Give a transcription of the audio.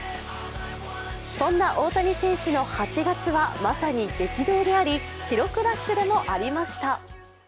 そんな大谷選手の８月はまさに激動であり、記録ラッシュでもありました。